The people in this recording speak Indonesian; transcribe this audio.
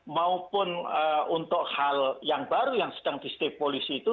maupun untuk hal yang baru yang sedang disetepolisi itu